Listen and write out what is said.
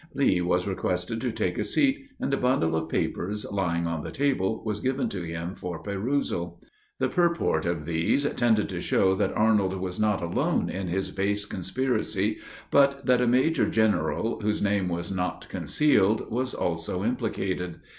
Lee was requested to take a seat; and a bundle of papers, lying on the table, was given to him for perusal. The purport of these tended to show that Arnold was not alone in his base conspiracy, but that a major general, whose name was not concealed, was also implicated.